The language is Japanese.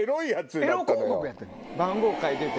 エロ広告やった番号書いてて。